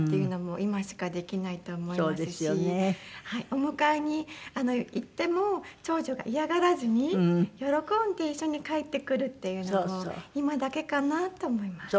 お迎えに行っても長女が嫌がらずに喜んで一緒に帰ってくるっていうのも今だけかなと思います。